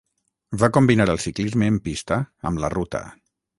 Va combinar el ciclisme en pista amb la ruta.